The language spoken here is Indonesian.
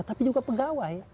tapi juga pegawai